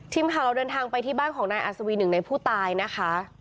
ทีมข่าวเราเดินทางไปที่บ้านของนายอัศวีหนึ่งในผู้ตายนะคะ